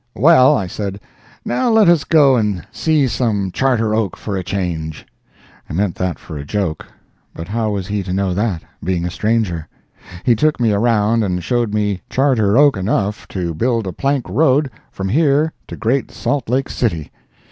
"Well," I said, "now let us go and see some Charter Oak, for a change." I meant that for a joke. But how was he to know that, being a stranger? He took me around and showed me Charter Oak enough to build a plank road from here to Great Salt Lake City.